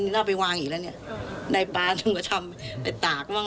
บอกขอหยุดนีก็แยะก็จริง